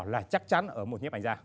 là chắc chắn ở một nhếp ảnh da